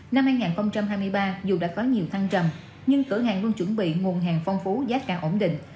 năm hai nghìn hai mươi ba dù đã có nhiều thăng trầm nhưng cửa hàng luôn chuẩn bị nguồn hàng phong phú giá cả ổn định